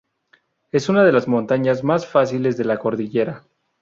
Es una de las montañas más fáciles de la cordillera.